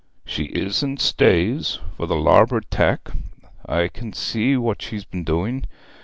'She is in stays, for the larboard tack. I can see what she's been doing.